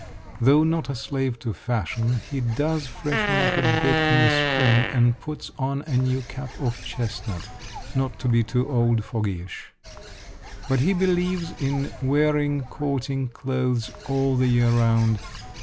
Though not a slave to fashion, he does freshen up a bit in the spring and puts on a new cap of chestnut, not to be too old fogyish. But he believes in wearing courting clothes all the year round.